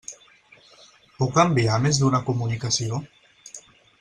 Puc enviar més d'una comunicació?